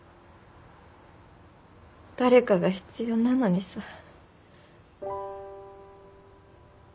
誰かが必要なのにさ。